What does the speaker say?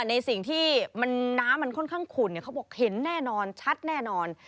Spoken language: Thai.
ในสิ่งที่น้ำมันค่อนข้างขุ่นเขาบอกเห็นแน่นอนชัดแน่นอน